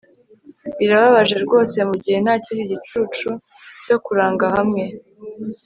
birababaje rwose mugihe ntakindi gicucu cyo kuranga hamwe